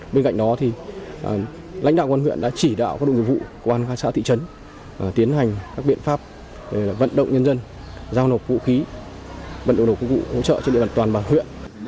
bên cạnh đó lãnh đạo quân huyện đã chỉ đạo các đồng vụ của quân xã thị trấn tiến hành các biện pháp vận động nhân dân giao nộp vũ khí vật nộp nộp công cụ hỗ trợ trên địa bàn toàn bằng huyện